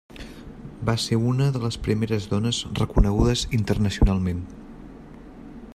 Va ser una de les primeres dones reconegudes internacionalment.